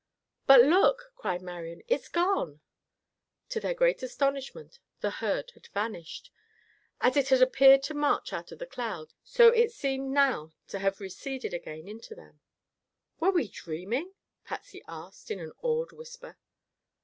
"But look!" cried Marian. "It's gone!" To their great astonishment, the herd had vanished. As it had appeared to march out of the clouds, so it seemed now to have receded again into them. "Were we dreaming?" Patsy asked in an awed whisper.